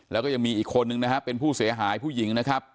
แล้วก็ยังมีอีกคนนึงนะฮะเป็นผู้เสียหายผู้หญิงนะครับ